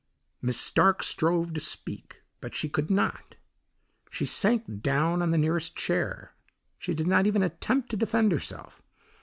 Miss Stark strove to speak but she could not. She sank down on the nearest chair. She did not even attempt to defend herself.